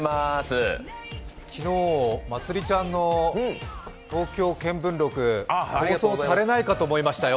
昨日、まつりちゃんの「東京見聞録」放送されないかと思いましたよ。